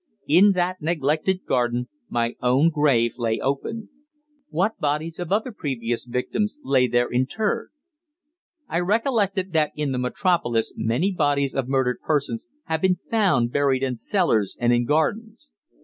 In that neglected garden, my own grave lay open. What bodies of other previous victims lay there interred? I recollected that in the metropolis many bodies of murdered persons had been found buried in cellars and in gardens.